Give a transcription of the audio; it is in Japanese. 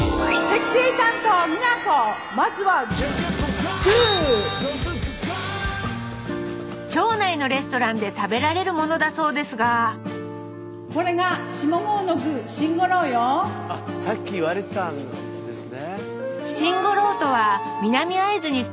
まずは町内のレストランで食べられるものだそうですがこれがさっき言われてたのですね。